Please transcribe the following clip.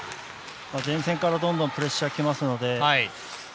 前線からどんどんプレッシャーがきますので。